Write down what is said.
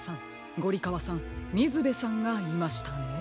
ゴリかわさんみずべさんがいましたね。